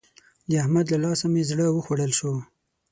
د احمد له لاسه مې زړه وخوړل شو.